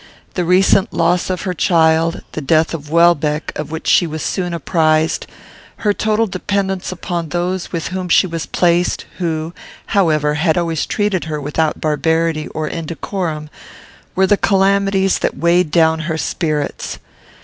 The recent loss of her child, the death of Welbeck, of which she was soon apprized, her total dependence upon those with whom she was placed, who, however, had always treated her without barbarity or indecorum, were the calamities that weighed down her spirits.